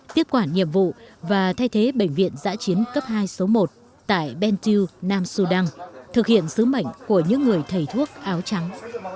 tiếp quản nhiệm vụ và thay thế bệnh viện giã chiến cấp hai số một tại ben tu nam su đăng thực hiện sứ mệnh của những người thầy thuốc áo trắng